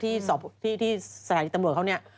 ที่สถานีตำรวจเขาเนี่ย